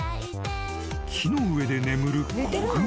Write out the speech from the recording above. ［木の上で眠る子熊］